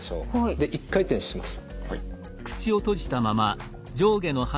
で一回転します。